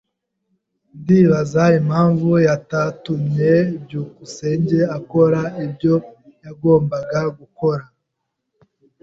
Ndibaza impamvu batatumye byukusenge akora ibyo yagombaga gukora.